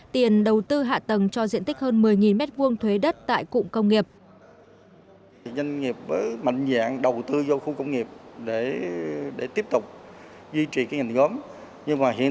tiền đầu tư hạ tầng cho diện tích hơn một mươi m hai thuế đất tại cụm công nghiệp